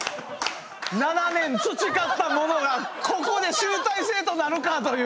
７年培ったものがここで集大成となるかという。